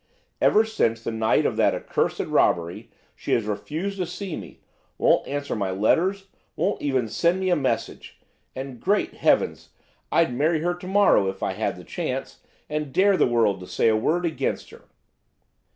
Ever since the night of that accursed robbery she has refused to see me–won't answer my letters–won't even send me a message. And, great Heavens! I'd marry her to morrow, if I had the chance, and dare the world to say a word against her."